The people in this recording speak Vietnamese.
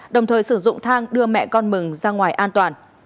đồng thời sử dụng thang đưa mẹ con mừng ra ngoài an toàn